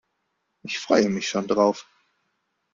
Ich freue mich schon darauf.